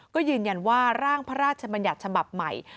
ก็ยืนยันว่าร่างพระราชบัญญัติฉบับใหม่